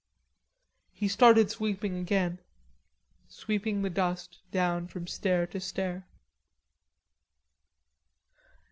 He started sweeping again, sweeping the dust down from stair to stair.